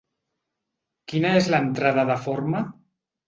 Quina és l'entrada de forma?